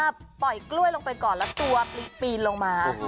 ปล่อยกล้วยลงไปก่อนแล้วตัวปีนลงมา